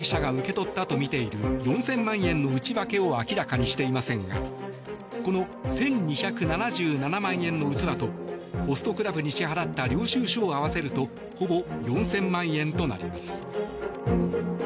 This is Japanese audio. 警察は田中容疑者や橋本容疑者が受け取ったとみている４０００万円の内訳を明らかにしていませんがこの１２７７万円の器とホストクラブに支払った領収書を合わせるとほぼ４０００万円となります。